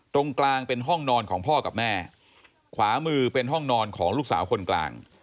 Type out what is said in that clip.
ตรงกลางเป็นห้องนอนของพ่อกับแม่ขวามือเป็นห้องนอนของลูกสาวคนกลาง